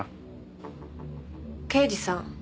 刑事さん